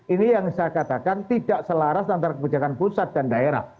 ini yang saya katakan tidak selaras antara kebijakan pusat dan daerah